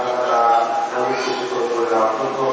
การพุทธศักดาลัยเป็นภูมิหลายการพุทธศักดาลัยเป็นภูมิหลาย